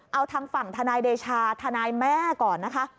เอาทางฝั่งทนายเดชาทนายแม่ก่อนนะคะ